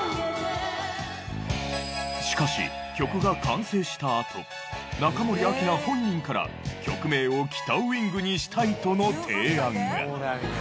しかし曲が完成したあと中森明菜本人から曲名を『北ウイング』にしたいとの提案が。